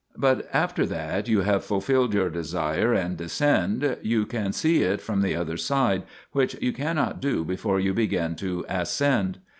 But after that you have fulfilled your desire and descend, you can see it from the other side, which you cannot do before you begin to ascend.